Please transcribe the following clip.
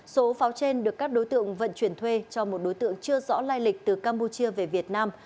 số pháo trên được các đối tượng vận chuyển thuê cho một đối tượng chưa rõ lai lịch từ campuchia về việt nam